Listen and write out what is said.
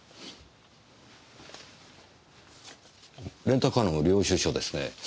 レンタカーの領収証ですね。